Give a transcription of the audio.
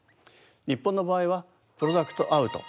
日本の場合はプロダクトアウト。